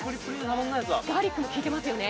ガーリックも利いてますよね。